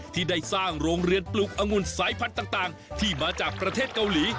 ที่ได้สร้างโรงเรือนปลูกองุ่นสายพันธุ์ต่างที่มาจากประเทศเกาหลี